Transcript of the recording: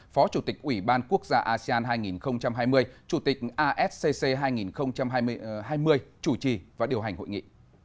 phó chủ tịch ủy ban quốc gia asean hai nghìn hai mươi chủ tịch ascc hai nghìn hai mươi chủ trì và điều hành hội nghị